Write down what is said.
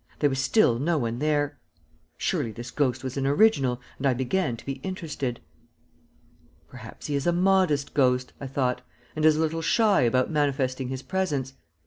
There was still no one there. Surely this ghost was an original, and I began to be interested. "Perhaps he is a modest ghost," I thought, "and is a little shy about manifesting his presence.